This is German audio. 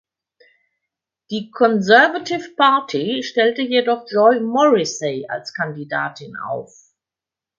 Die Conservative Party stellte jedoch Joy Morrissey als Kandidatin auf.